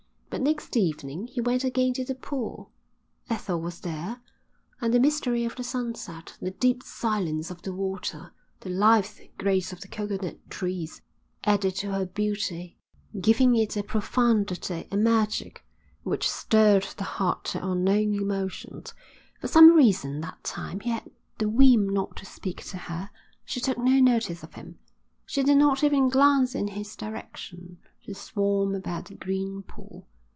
But next evening he went again to the pool. Ethel was there; and the mystery of the sunset, the deep silence of the water, the lithe grace of the coconut trees, added to her beauty, giving it a profundity, a magic, which stirred the heart to unknown emotions. For some reason that time he had the whim not to speak to her. She took no notice of him. She did not even glance in his direction. She swam about the green pool.